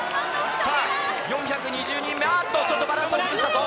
さあ、４２０人目、ああ、ちょっとバランスを崩したぞ。